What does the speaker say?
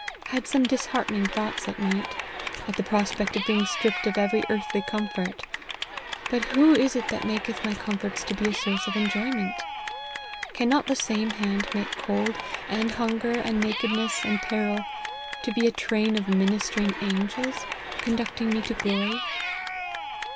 Had some disheartening thoughts at night, at the pro spect of being stripped of every earthly comfort ; but who is it that maketh my comforts to be a source of enjoyment ? Cannot the same hand make cold, and hunger, and nakedness, and peril, to be a train of ministering angels conducting me to glory